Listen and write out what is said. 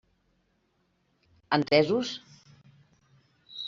Entesos?